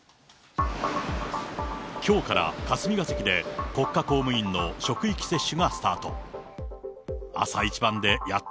きょうから霞が関で国家公務員の職域接種がスタート。